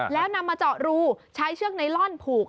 แล้วนำมาเจาะรูใช้เชือกไนลอนผูก